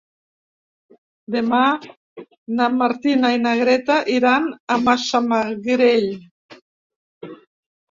Demà na Martina i na Greta iran a Massamagrell.